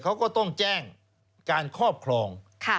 เขาก็ต้องแจ้งการครอบครอง